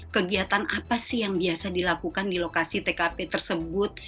kegiatan apa sih yang biasa dilakukan di lokasi tkp tersebut